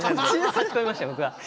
差し込みましたよ。